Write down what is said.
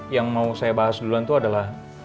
yang mau saya bahas duluan itu adalah